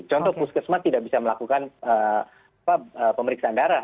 contoh puskesmas tidak bisa melakukan pemeriksaan darah